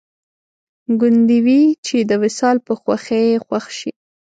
ګوندې وي چې د وصال په خوښۍ خوښ شي